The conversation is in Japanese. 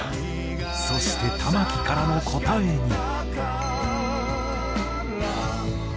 そして玉置からの答えに。